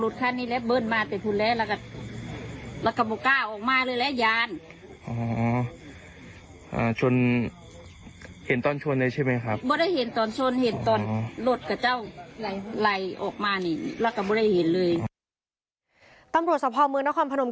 ตำรวจสภาวเมืองนครพนมกรุง